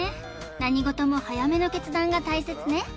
「何事も早めの決断が大切ね」